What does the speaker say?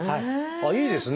ああいいですね。